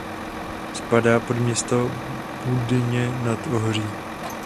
Spadá pod město Budyně nad Ohří.